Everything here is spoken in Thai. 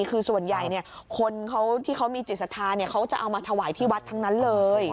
คือส่วนใหญ่คนที่เขามีจิตศรัทธาเขาจะเอามาถวายที่วัดทั้งนั้นเลย